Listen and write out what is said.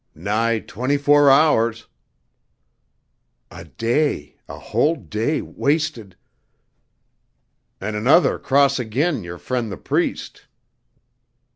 "Nigh twenty four hours." "A day a whole day wasted!" "An' another cross agin yer fren' the Priest."